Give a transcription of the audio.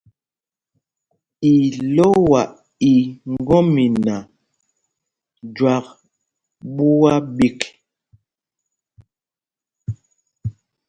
Ilɔ́a í ŋgɔ́mina jüak ɓuá ɓîk.